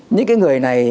những cái người này